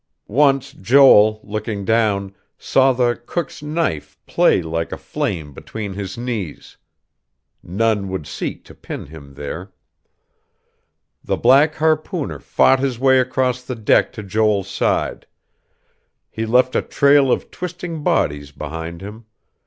Once Joel, looking down, saw the cook's knife play like a flame between his knees.... None would seek to pin him there. The black harpooner fought his way across the deck to Joel's side. He left a trail of twisting bodies behind him.